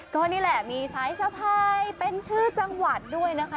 ก็นี่แหละมีสายสะพายเป็นชื่อจังหวัดด้วยนะคะ